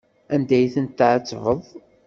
Anda ay tent-tɛettbeḍ?